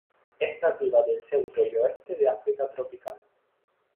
Es nativa del centro y oeste de África tropical.